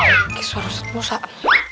oke suara rusak